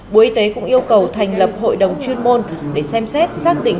bộ y tế cũng yêu cầu thành lập hội đồng chuyên môn để xem xét xác định